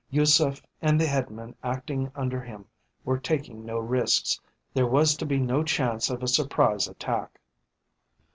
Yusef and the headmen acting under him were taking no risks, there was to be no chance of a surprise attack.